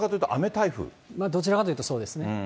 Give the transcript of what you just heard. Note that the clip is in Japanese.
どちらかというとそうですね。